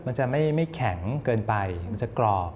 มันจะไม่แข็งเกินไปมันจะกรอบ